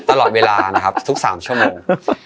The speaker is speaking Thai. ตลอดเวลานะครับทุก๓ชั่วโมง